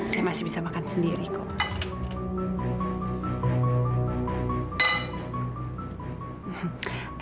saya masih bisa makan sendiri kok